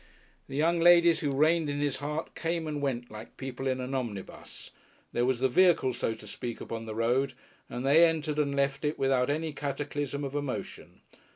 The "young ladies" who reigned in his heart came and went like people in an omnibus: there was the vehicle, so to speak, upon the road, and they entered and left it without any cataclysm of emotion.